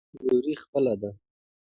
وروري خپله ده.